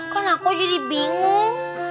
kan aku jadi bingung